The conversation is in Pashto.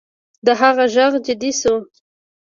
د هغه غږ جدي شو